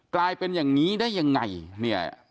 กลายเป็นอย่างนี้ได้ยังไงเนี่ย